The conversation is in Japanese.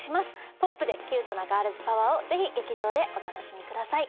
ポップでキュートなガールズパワーをぜひ劇場でお楽しみください。